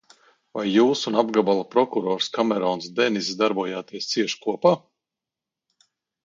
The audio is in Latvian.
Vai jūs un apgabala prokurors Kamerons Deniss darbojāties cieši kopā?